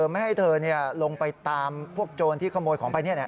ไม่ให้เธอลงไปตามพวกโจรที่ขโมยของไป